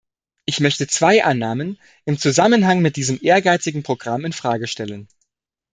Ich möchte zwei Annahmen im Zusammenhang mit diesem ehrgeizigen Programm in Frage stellen.